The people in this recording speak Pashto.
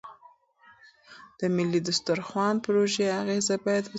د ملي دسترخوان پروژې اغېز باید وڅېړل شي.